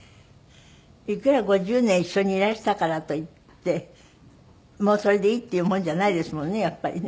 いくら５０年一緒にいらしたからといってもうそれでいいっていうもんじゃないですもんねやっぱりね。